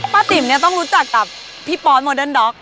ติ๋มเนี่ยต้องรู้จักกับพี่ปอสโมเดิร์ด็อก